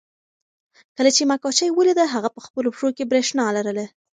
کله چې ما کوچۍ ولیده هغې په خپلو پښو کې برېښنا لرله.